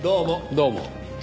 どうも。